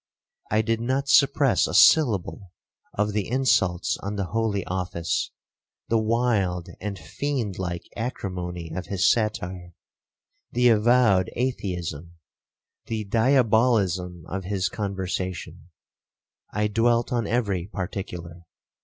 I did not suppress a syllable of the insults on the holy office, the wild and fiend like acrimony of his satire, the avowed atheism, the diabolism of his conversation,—I dwelt on every particular.